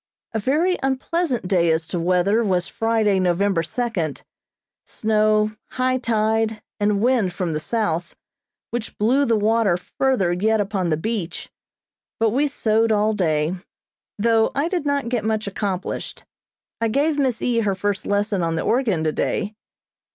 A very unpleasant day as to weather was Friday, November second. Snow, high tide, and wind from the south, which blew the water further yet upon the beach; but we sewed all day, though I did not get much accomplished. I gave Miss E. her first lesson on the organ today.